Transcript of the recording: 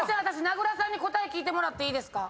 名倉さんに答え聞いてもらっていいですか。